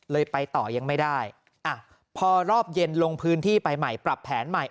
ไปต่อยังไม่ได้พอรอบเย็นลงพื้นที่ไปใหม่ปรับแผนใหม่